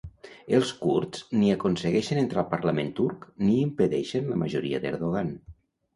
Els kurds ni aconsegueixen entrar al parlament turc ni impedeixen la majoria d'Erdogan.